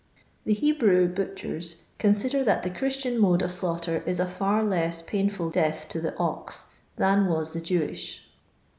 The Hebrew butchers consider that the Christian mode of slaughter is a far less painful death to the ox than was the Jewish.